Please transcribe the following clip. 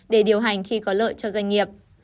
để điều hành khi có lợi cho doanh nghiệp